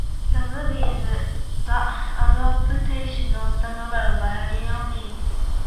The movie is the adaptation of the novel by Lilian Lee.